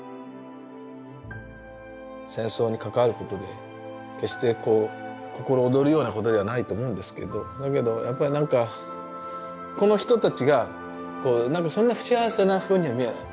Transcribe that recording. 戦争に関わることで決して心躍るようなことではないと思うんですけどだけどやっぱりなんかこの人たちがそんな不幸せなふうには見えない。